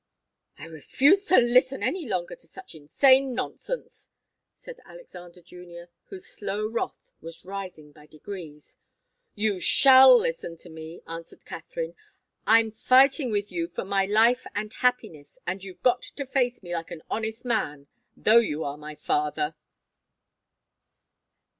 "I refuse to listen any longer to such insane nonsense," said Alexander Junior, whose slow wrath was rising by degrees. "You shall listen to me," answered Katharine. "I'm fighting with you for my life and happiness, and you've got to face me like an honest man though you are my father!"